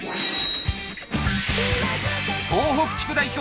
東北地区代表